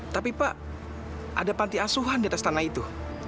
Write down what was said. tapi pak ada panti asuhan diatas tanah itu